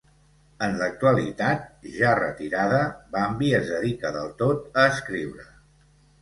En l'actualitat, ja retirada, Bambi es dedica del tot a escriure.